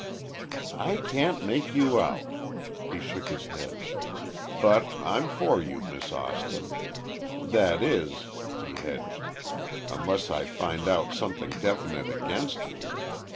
"I can't make you out," he shook his head. "But I'm for you, Miss Austin. That is," he hedged, "unless I find out something definite against you.